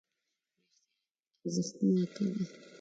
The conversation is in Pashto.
رښتیا ارزښتناکه ده.